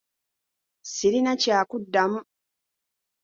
Sirina kyakuddamu.